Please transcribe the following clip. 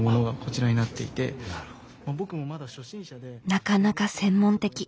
なかなか専門的。